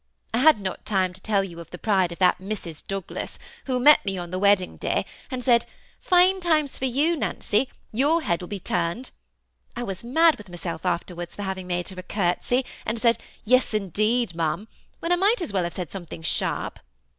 I had not time to tell you of the pride of that Mrs. Douglas, who met me on the wedding day, and said, * Fine times for you, Nancy ; your head will be turned.' I was mad with myself afterwards for having made her a courtesy, and said, 'Yes, indeed, ma'am,' when I might as well have said something sharp.